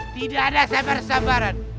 tidak ada sabar sabaran